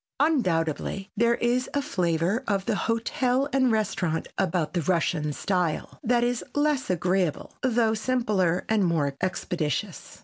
Undoubtedly there is a flavor of the hotel and restaurant about the Russian style that is less agreeable, though simpler and more expeditious.